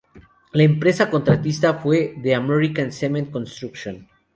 La empresa contratista fue The American Cement Construction.